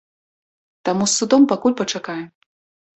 Таму з судом пакуль пачакаем.